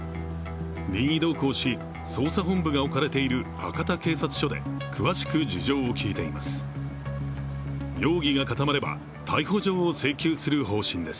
任意同行し、捜査本部が置かれている博多警察署で詳しく事情を聴いています。